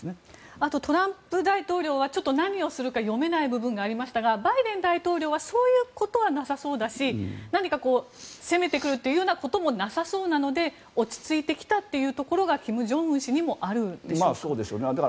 あとトランプ大統領は何をするか読めない部分がありましたが、バイデン大統領はそういうことはなさそうだし何か攻めてくるということもなさそうなので落ち着いてきたところが金正恩氏にもあるんでしょうか。